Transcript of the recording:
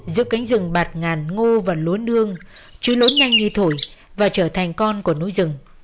giữa cánh rừng bạt ngàn ngô và lúa nương trứng lốn nhanh như thổi và trở thành con của núi rừng